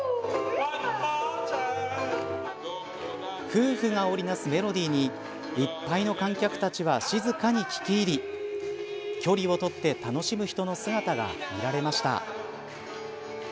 夫婦が織りなすメロディーにいっぱいの観客たちは静かに聞き入り距離を取って楽しむ人の姿が見られました。